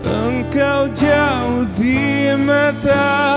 engkau jauh di mata